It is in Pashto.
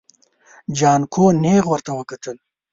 جانکو نيغ ورته وکتل.